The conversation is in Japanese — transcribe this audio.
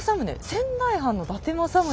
仙台藩の伊達政宗がえっ